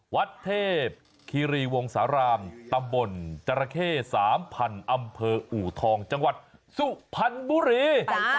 วัดเทพคีรีวงสารามตำบลจราเข้๓๐๐๐อำเภออูทองจังหวัดสุพรรณบุรี